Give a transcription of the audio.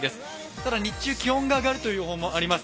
ただ、日中、気温が上がるという予報もあります。